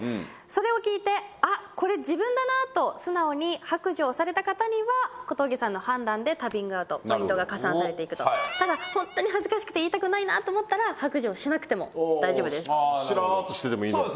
それを聞いて「あっこれ自分だな」と素直に白状された方には小峠さんの判断で旅ングアウトポイントが加算されていくとただホントに恥ずかしくて言いたくないなと思ったら白状しなくても大丈夫ですしらっとしててもいいの？